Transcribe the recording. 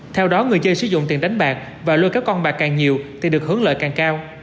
theo đó người chơi sử dụng tiền đánh bạc và lôi kéo con bạc càng nhiều thì được hưởng lợi càng cao